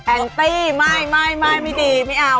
แอนตี้ไม่ไม่ดี